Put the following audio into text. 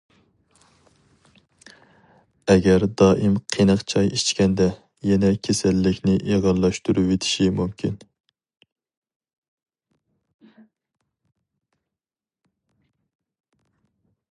ئەگەر دائىم قېنىق چاي ئىچكەندە، يەنە كېسەللىكنى ئېغىرلاشتۇرۇۋېتىشى مۇمكىن.